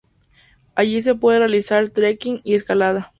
Allí se puede realizar trekking y escalada.